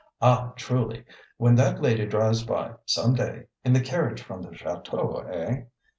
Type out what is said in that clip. "Ah, truly! When that lady drives by, some day, in the carriage from the chateau eh?